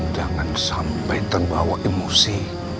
jangan sampai terbawa emosi